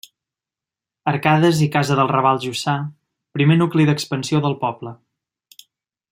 Arcades i casa del Raval Jussà, primer nucli d'expansió del poble.